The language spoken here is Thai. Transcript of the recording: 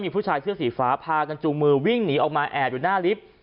พากันจูมือวิ่งหนีออกมาแอบอยู่หน้าลิฟท์